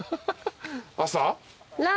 朝？